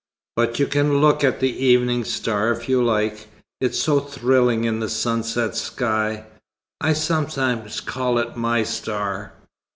But you can look at the evening star if you like. It's so thrilling in the sunset sky, I sometimes call it my star."